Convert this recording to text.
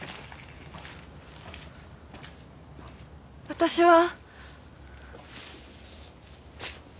私は。